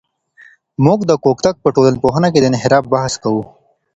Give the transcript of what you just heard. موږ د کوږتګ په ټولنپوهنه کې د انحراف بحث کوو.